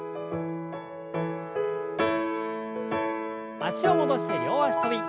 脚を戻して両脚跳び。